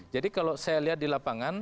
jadi kalau saya lihat di lapangan